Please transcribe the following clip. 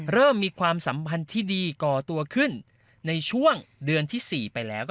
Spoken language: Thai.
เริ่มมีความสัมพันธ์ที่ดีก่อตัวขึ้นในช่วงเดือนที่๔ไปแล้ว